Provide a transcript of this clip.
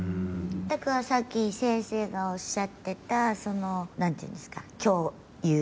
だから、さっき先生がおっしゃってたなんていうんですか、共有？